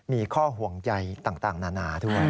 มีข้อห่วงใยต่างนานาด้วย